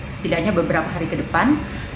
setidaknya beberapa hari ke depan